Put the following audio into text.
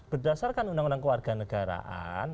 berdasarkan undang undang kewarganegaraan